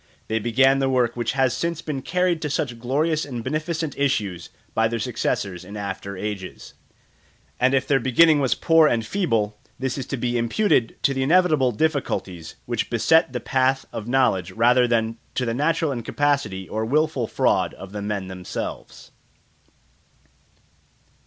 They began the work which has since been carried to such glorious and beneficent issues by their successors in after ages; and if the beginning was poor and feeble, this is to be imputed to the inevitable difficulties which beset the path of knowledge rather than to the natural incapacity or wilful fraud of the men themselves.